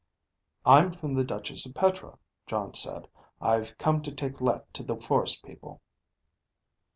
"I'm from the Duchess of Petra," Jon said. "I've come to take Let to the forest people."